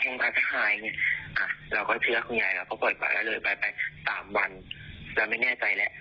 เนี่ยค่ะอาการก็ดีขึ้นแล้ว